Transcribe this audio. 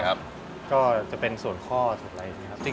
มะเร็ดผัดชี